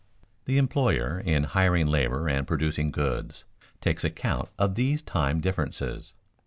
_The employer in hiring labor and producing goods takes account of these time differences.